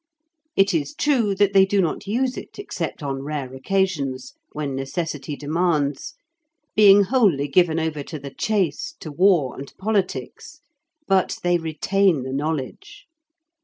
It is true that they do not use it except on rare occasions when necessity demands, being wholly given over to the chase, to war, and politics, but they retain the knowledge.